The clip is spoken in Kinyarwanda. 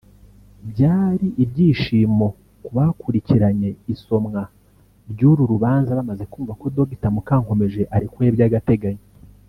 Byari ibyishimo ku bakurikiranye isomwa ry’uru rubanza bamaze kumva ko Dr Mukankomeje arekuwe by’agateganyo